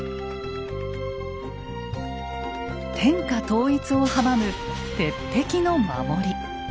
天下統一を阻む鉄壁の守り。